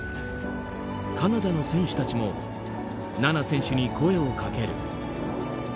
カナダの選手たちも菜那選手に声をかける。